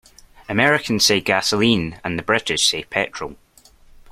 Americans say gasoline and the British say petrol.